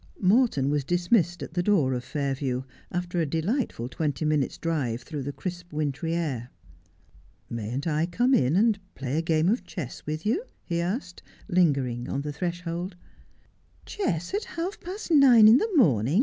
Morton was dismissed at the door of Fairview, after a delightful twenty minutes' drive through the crisp wintry air. ' Mayn't I come in and play a game of chess with you 1 ' he asked, lingering on the threshold. ' Chess at half past nine in the morning